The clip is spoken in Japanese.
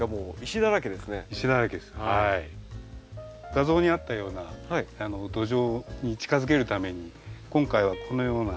画像にあったような土壌に近づけるために今回はこのような。